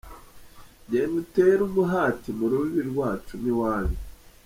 Genda utere umuhati mu rubibi rwacu n'iwanyu.